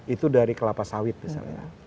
itu dari kelapa sawit misalnya